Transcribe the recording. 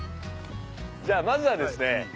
じゃあまずはですね